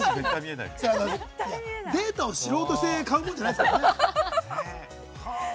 データを知ろうとして買うもんじゃないですからね。